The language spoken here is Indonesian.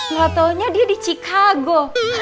gak taunya dia di chicago